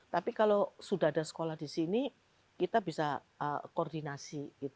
tapi kalau sudah ada sekolah di sini kita bisa koordinasi